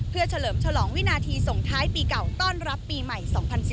เพื่อเฉลิมฉลองวินาทีส่งท้ายปีเก่าต้อนรับปีใหม่๒๐๑๙